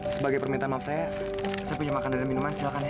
sebagai permintaan maaf saya saya punya makan dan minuman silahkan ya